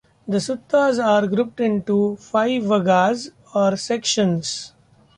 The suttas are grouped into five vaggas, or sections.